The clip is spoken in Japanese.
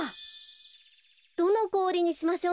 どのこおりにしましょうか。